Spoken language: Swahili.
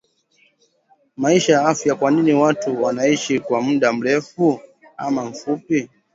MAISHA NA AFYA Kwanini watu wanaishi kwa muda mrefu ama mfupi?